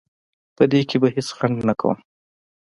په دې کې به هیڅ ځنډ نه کوم.